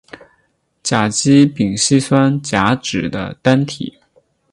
甲基丙烯酸甲酯的单体。